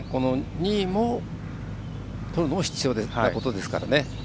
２位をとるのも必要なことですから。